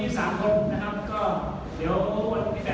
แซมคงไม่ฟังเหรอนะ